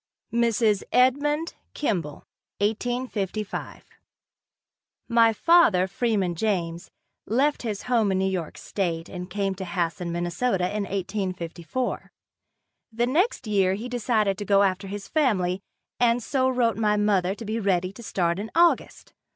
Mrs. Edmund Kimball 1855. My father, Freeman James, left his home in New York state and came to Hasson, Minn., in 1854. The next year he decided to go after his family and so wrote my mother to be ready to start in August.